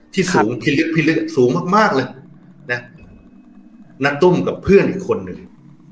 ที่สูงสูงมากมากเลยน่ะนัต้มกับเพื่อนอีกคนนึง